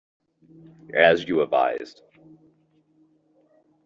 As you advised.